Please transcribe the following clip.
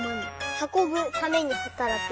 はこぶためにはたらく。